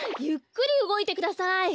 ゆっくりうごいてください！